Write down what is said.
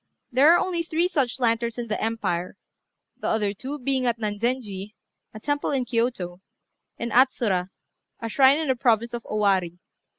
There are only three such lanterns in the empire; the other two being at Nanzenji a temple in Kiyôto, and Atsura, a shrine in the province of Owari.